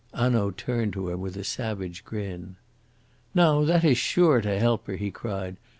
Hanaud turned to him with a savage grin. "Now that is sure to help her!" he cried.